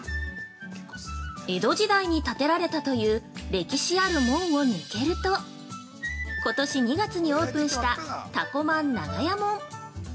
◆江戸時代に建てられたという歴史ある門を抜けるとことし２月にオープンした「たこまん長屋門」。